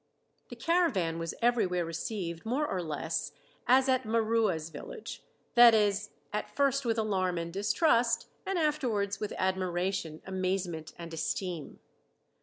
The caravan was everywhere received more or less as at M'Rua's village; that is, at first with alarm and distrust and afterwards with admiration, amazement, and esteem.